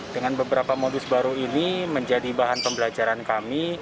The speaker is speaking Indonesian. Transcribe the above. dengan beberapa modus baru ini menjadi bahan pembelajaran kami